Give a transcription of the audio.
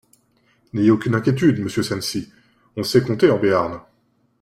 N’ayez aucune inquiétude, monsieur Censi, on sait compter en Béarn.